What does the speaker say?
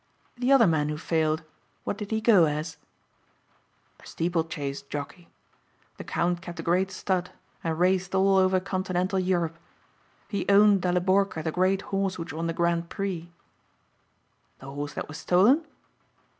"The other man who failed what did he go as?" "A steeple chase jockey. The count kept a great stud and raced all over Continental Europe. He owned Daliborka the great horse which won the Grand Prix." "The horse that was stolen?"